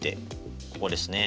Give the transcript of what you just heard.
ここですね。